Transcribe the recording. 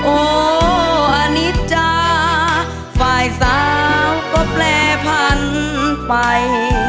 โอ้อันนี้จ้าฝ่ายสาวก็แปรพันไป